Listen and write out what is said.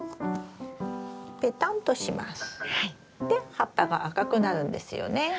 で葉っぱが赤くなるんですよね。